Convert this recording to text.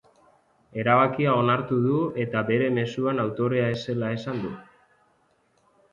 Erabakia onartu du eta bera mezuen autorea ez zela esan du.